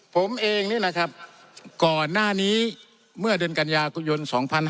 ผมเองนี่นะครับก่อนหน้านี้เมื่อเดือนกัญญาคุณยนต์๒๕๖๔